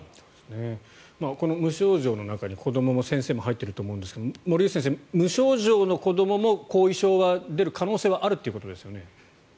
無症状の中に子どもも先生も入っていると思うんですが森内先生無症状の子どもも後遺症は出る可能性はあるということですよね。